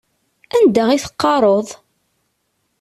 Anda i teqqareḍ?